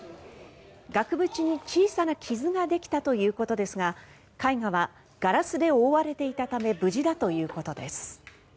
額縁に小さな傷ができたということですが絵画はガラスで覆われていたため無事だということです。